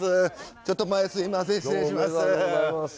ちょっと前すいません失礼します。